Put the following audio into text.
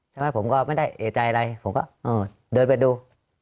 ใช่ไหมผมก็ไม่ได้เอ่ยใจอะไรผมก็เออเดินไปดู